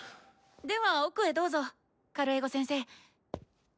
では奥へどうぞカルエゴ先生。